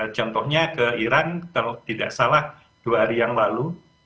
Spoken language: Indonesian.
contohnya ke iran kalau tidak salah dua hari yang lalu